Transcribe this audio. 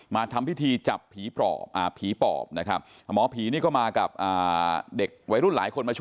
มาทำพิธีจับผีปอบนะครับ